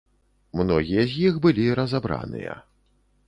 Многія з іх былі разабраныя.